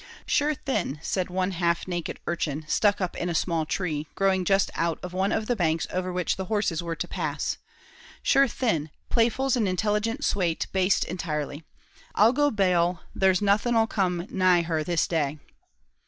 "Shure thin," said one half naked urchin, stuck up in a small tree, growing just out of one of the banks over which the horses were to pass; "shure thin, Playful's an illigant swate baste entirely. I'll go bail there's nothin 'll come nigh her this day!"